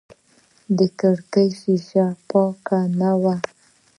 د کړکۍ شیشه پاکه نه وه.